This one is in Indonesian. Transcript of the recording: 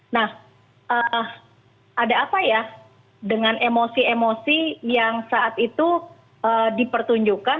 nah ada apa ya dengan emosi emosi yang saat itu dipertunjukkan